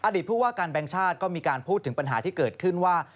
ผู้ว่าการแบงค์ชาติก็มีการพูดถึงปัญหาที่เกิดขึ้นว่า